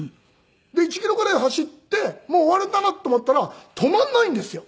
で１キロぐらい走ってもう終わりだなと思ったら止まらないんですよ。